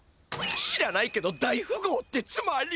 知らないけど大ふごうってつまり。